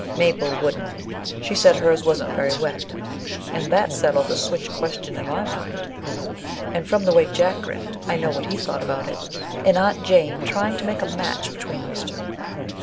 Mabel wouldn't; she said hers wasn't very wet â and that settled the switch question in my mind, and from the way Jack grinned I know what he thought about it â and Aunt Jane trying to make a match between those two!